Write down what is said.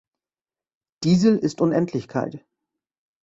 Diesel ist Unendlichkeit!